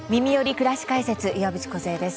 くらし解説」岩渕梢です。